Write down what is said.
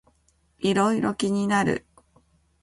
いろいろ気になる